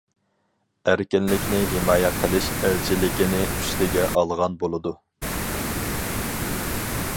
ئەركىنلىكنى ھىمايە قىلىش ئەلچىلىكىنى ئۈستىگە ئالغان بولىدۇ.